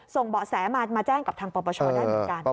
เบาะแสมาแจ้งกับทางปปชได้เหมือนกัน